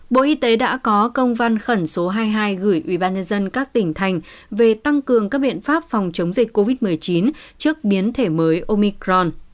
bộ y tế đã có công văn khẩn số hai mươi hai gửi ubnd các tỉnh thành về tăng cường các biện pháp phòng chống dịch covid một mươi chín trước biến thể mới omicron